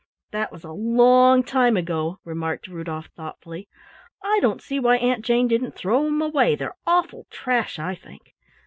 "That was a long time ago," remarked Rudolf thoughtfully. "I don't see why Aunt Jane didn't throw 'em away, they're awful trash, I think.